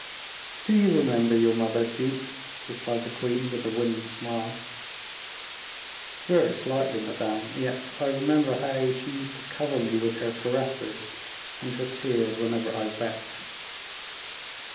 "Do you remember your mother, duke?" replied the queen, with a winning smile. "Very slightly, madame; yet I remember how she used to cover me with her caresses and her tears whenever I wept."